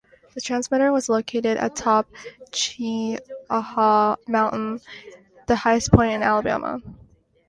The transmitter was located atop Cheaha Mountain, the highest point in Alabama.